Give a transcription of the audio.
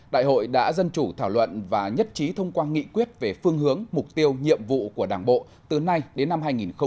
đại hội đã dân chủ thảo luận và nhất trí thông qua nghị quyết về phương hướng mục tiêu nhiệm vụ của đảng bộ từ nay đến năm hai nghìn hai mươi năm